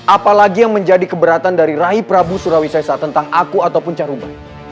apalagi yang menjadi keberatan dari raih prabu suryawisesa tentang aku atau pun carumba